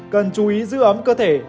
cần chú ý giữ ấm cơ thể